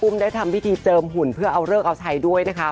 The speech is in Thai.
ได้ทำพิธีเจิมหุ่นเพื่อเอาเลิกเอาใช้ด้วยนะคะ